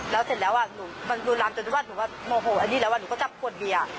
แล้วเสร็จแล้วอ่ะหนูมันลวนลามจนถึงว่าหนูว่าโมโหอันนี้แล้วว่าหนูก็จับกวดเบียร์